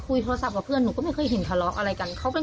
โทรศัพท์กับเพื่อนหนูก็ไม่เคยเห็นทะเลาะอะไรกัน